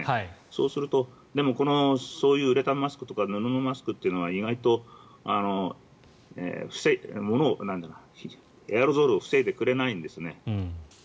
そうすると、でもそういうウレタンマスクとか布のマスクというのは意外とエアロゾルを防いでくれないんです。